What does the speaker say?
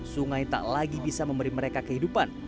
sungai tak lagi bisa memberi mereka kehidupan